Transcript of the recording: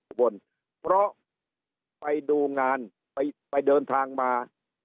อุบลเพราะไปดูงานไปไปเดินทางมา